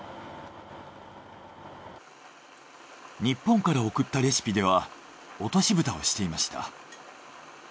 日本から送ったレシピでは落としぶたをしていました。